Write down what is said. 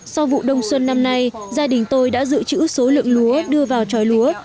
sau vụ đông xuân năm nay gia đình tôi đã giữ chữ số lượng lúa đưa vào tròi lúa